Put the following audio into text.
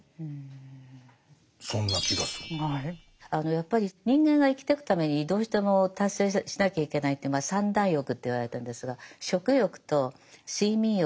やっぱり人間が生きてくためにどうしても達成しなきゃいけないってまあ三大欲といわれてるんですが食欲と睡眠欲と性欲なんですね。